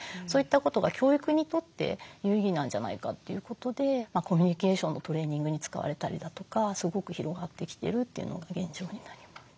ことが教育にとって有意義なんじゃないかということでコミュニケーションのトレーニングに使われたりだとかすごく広がってきてるというのが現状になります。